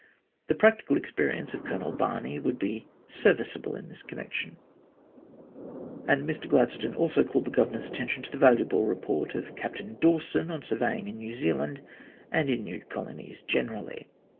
The practical experience of Colonel Barney would be serviceable in this connection, and Mr Gladstone also called the Governor's attention to the valuable report of Captain Dawson on surveying in New Zealand and in new colonies generally.